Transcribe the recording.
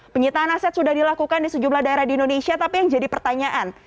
penyitaan aset sudah dilakukan di sejumlah daerah di indonesia tapi yang jadi pertanyaan